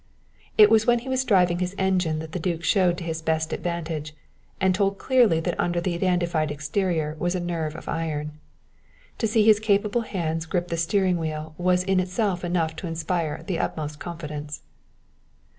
It was when he was driving his engine that the duke showed to his best advantage and told clearly that under the dandified exterior was a nerve of iron. To see his capable hands grip the steering wheel was in itself enough to inspire the utmost confidence.